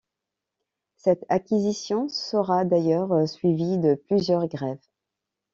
Cette acquisition sera d'ailleurs suivie de plusieurs grèves.